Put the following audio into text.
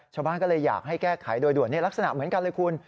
ชาวบ้านก็เลยอยากให้แก้ไขโดยด่วนลักษณะเหมือนกันเลยคุณ